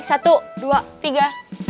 satu dua tiga